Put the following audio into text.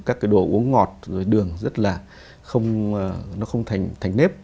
các cái đồ uống ngọt rồi đường rất là không thành nếp